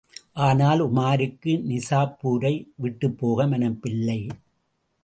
ஆனால், உமாருக்கு நிசாப்பூரை விட்டுப்போக மனமில்லை.